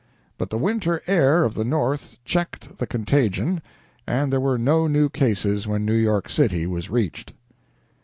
"But the winter air of the North checked the contagion, and there were no new cases when New York City was reached."